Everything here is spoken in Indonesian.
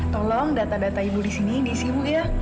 tolong data data ibu di sini diisi ibu ya